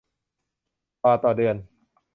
บาทคนเดือน